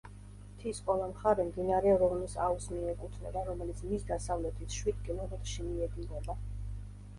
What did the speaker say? მთის ყველა მხარე მდინარე რონის აუზს მიეკუთვნება, რომელიც მის დასავლეთით, შვიდ კილომეტრში მიედინება.